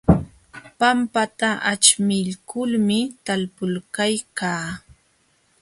Pampata aćhmiykulmi talpuykalkaa.